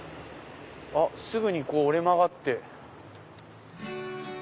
すぐに折れ曲がって。